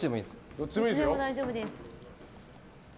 どっちでも大丈夫です。